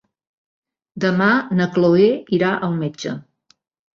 Demà na Chloé irà al metge.